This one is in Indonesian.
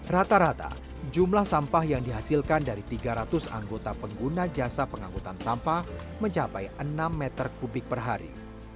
rata rata jumlah sampah yang dihasilkan dari tiga ratus anggota pengguna jasa pengangkutan sampah mencapai enam meter kubik per hari